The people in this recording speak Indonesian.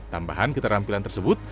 tambahan keterampilan tersebut